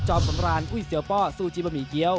จอบสนรานอุยเสียปอร์ซู่จีบะหมี่เกี้ยว